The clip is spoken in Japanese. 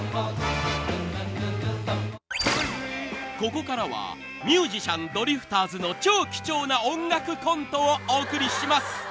［ここからはミュージシャンドリフターズの超貴重な音楽コントをお送りします］